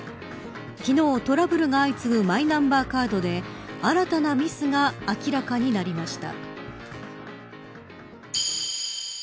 昨日、トラブルが相次ぐマイナンバーカードで新たなミスが明らかになりました。